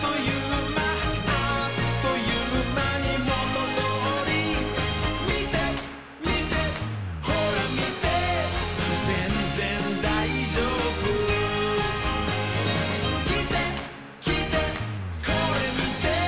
「あっというまにもとどおり」「みてみてほらみて」「ぜんぜんだいじょうぶ」「きてきてこれみて」